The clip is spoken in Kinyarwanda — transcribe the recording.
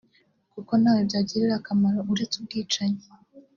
kuko ntawe byagirira akamaro uretse ubwicanyi